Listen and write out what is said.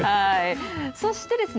そしてですね